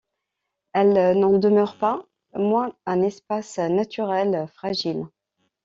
Elle n'en demeure pas moins un espace naturel fragile.